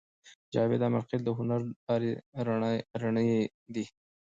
جاوید امیرخېل د هنر لارې رڼې دي